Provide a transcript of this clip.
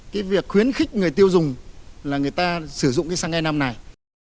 khuyến khích người tiêu dùng là người ta sử dụng cái xăng e năm này